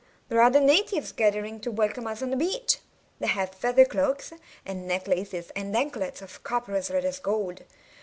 there are the natives gathering to welcome us on the beach. They have feather cloaks, and necklaces, and anklets of copper as red as gold.